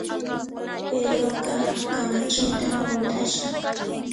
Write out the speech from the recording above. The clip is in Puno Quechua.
Pedroqa kamachintan hunt'ashan